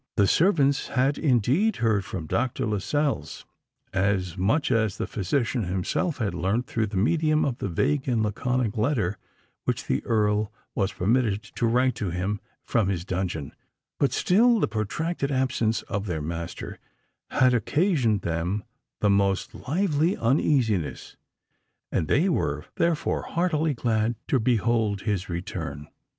The servants had indeed heard from Dr. Lascelles as much as the physician himself had learnt through the medium of the vague and laconic letter which the Earl was permitted to write to him from his dungeon: but still the protracted absence of their master had occasioned them the most lively uneasiness; and they were therefore heartily glad to behold his return.